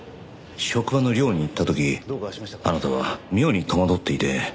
職場の寮に行った時あなたは妙に戸惑っていて。